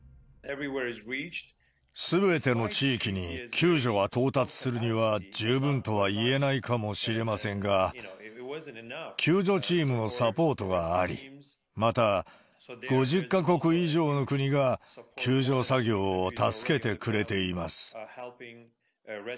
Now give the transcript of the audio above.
すべての地域に救助が到達するには十分とはいえないかもしれませんが、救助チームのサポートがあり、また５０か国以上の国が救助作業を助けてくれています。